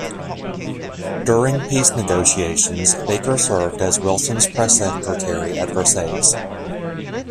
During peace negotiations, Baker served as Wilson's press secretary at Versailles.